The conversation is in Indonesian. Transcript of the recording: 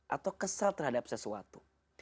atau kesal terhadap sesuatu